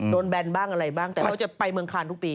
แบนบ้างอะไรบ้างแต่เขาจะไปเมืองคานทุกปี